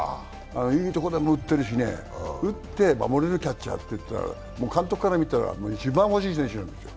いいところで打ってるしね、打って守れるキャッチャーといったら監督から見たら、一番欲しい人なんですよ。